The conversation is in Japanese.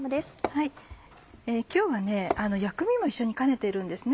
今日は薬味も一緒に兼ねてるんです。